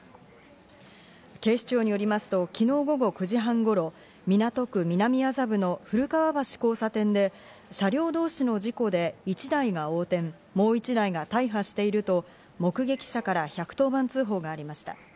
警視庁によりますと昨日午後９時半頃、港区南麻布の古川橋交差点で、車両同士の事故で１台が横転、もう１台が大破していると目撃者から１１０番通報がありました。